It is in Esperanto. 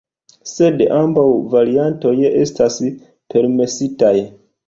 Sed ambaŭ variantoj estas permesitaj.